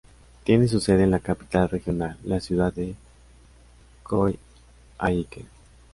Tiene su sede en la capital regional, la ciudad de Coyhaique.